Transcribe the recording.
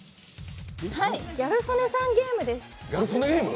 「ギャル曽根さんゲーム」です。